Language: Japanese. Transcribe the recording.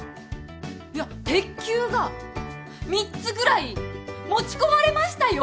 いや鉄球が３つぐらい持ち込まれましたよ？